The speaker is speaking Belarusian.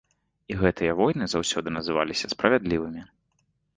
І гэтыя войны заўсёды называліся справядлівымі.